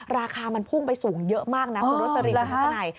ราคามันพุ่งไปสูงเยอะมากนักรสรินทร์ข้างใน